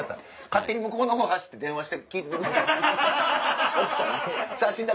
勝手に向こうのほう走って電話して聞いてください奥さんに。